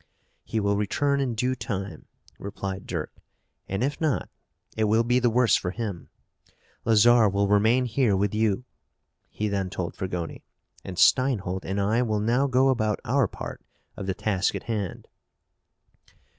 "He will return in due time," replied Dirk. "And, if not, it will be the worse for him. Lazarre will remain here with you," he then told Fragoni, "and Steinholt and I will now go about our part of the task at hand."